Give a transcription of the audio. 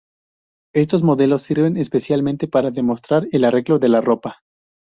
Estos modelos sirven especialmente para demostrar el arreglo de la ropa.